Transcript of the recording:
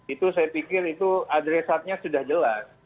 itu saya pikir itu adresatnya sudah jelas